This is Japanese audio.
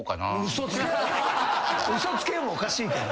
「嘘つけ！」もおかしいけど。